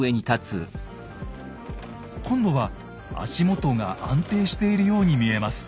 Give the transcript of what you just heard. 今度は足元が安定しているように見えます。